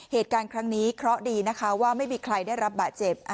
เหตุการณ์ครั้งนี้เคราะห์ดีนะคะว่าไม่มีใครได้รับบาดเจ็บ